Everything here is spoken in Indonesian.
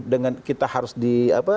dengan kita harus di